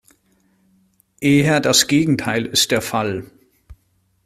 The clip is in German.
Eher das Gegenteil ist der Fall.